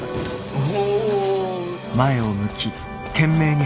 おお。